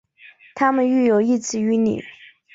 她们育有一子一女。